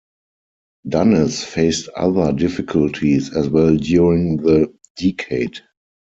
Dunnes faced other difficulties as well during the decade.